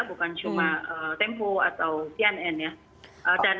bukan cuma tempo atau cnn ya